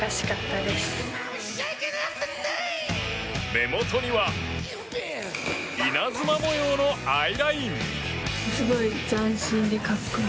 目元には稲妻模様のアイライン。